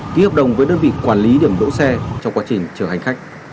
ký hợp đồng với đơn vị quản lý điểm đỗ xe trong quá trình chở hành khách